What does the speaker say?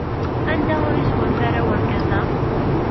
Anda ur isgunfa ara urgaz-a?